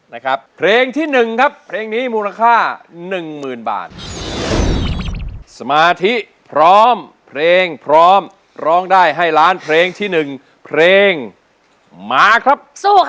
นะครับเพลงที่๑ครับเพลงนี้มูลค่า๑๐๐๐๐บาทสมาธิพร้อมเพลงพร้อมร้องได้ให้ล้านเพลงที่๑เพลงหมาครับ